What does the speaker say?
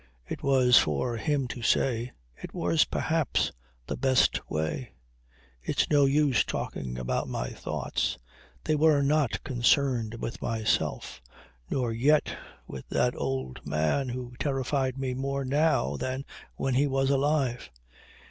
It was for him to say. It was perhaps the best way. It's no use talking about my thoughts. They were not concerned with myself, nor yet with that old man who terrified me more now than when he was alive.